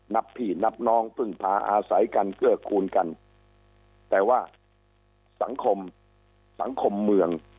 นับพี่นับน้องพึ่งพาอาศัยกันเกื้อคูณกันแต่ว่าสังคมสังคมเมือง